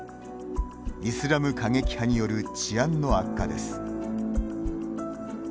イスラム過激派による治安の悪化です。